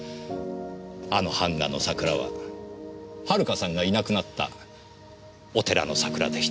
あの版画の桜は遥さんがいなくなったお寺の桜でした。